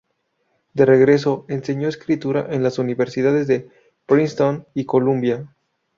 De regreso, enseñó escritura en las universidades de Princeton y Columbia.